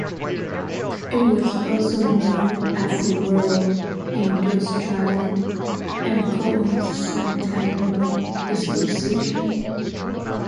It was also known as the World's Industrial and Cotton Centennial Exposition.